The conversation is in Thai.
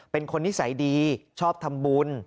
เป็นคนนิสัยดีชอบทำบุญ